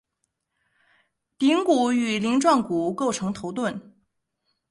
顶骨与鳞状骨构成头盾。